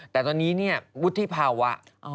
แต่ตอนนี้วุฒิภาวะ